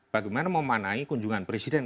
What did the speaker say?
bagaimana memanangi kunjungan presiden